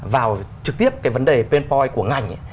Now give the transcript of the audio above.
vào trực tiếp cái vấn đề pin point của ngành